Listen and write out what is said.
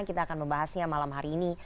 kita akan membahasnya malam hari ini